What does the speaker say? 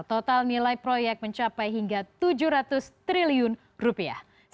total nilai proyek mencapai hingga tujuh ratus triliun rupiah